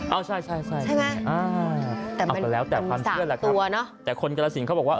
เอาไปแล้วแต่พันเห็นไรครับค่ะแต่คนกมลาสิงต์เขาบอกว่า